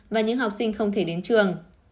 và những học sinh không thể đến trường